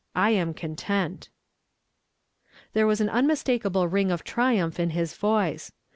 I am content." There was an unmistakable ring of triumph in his voice.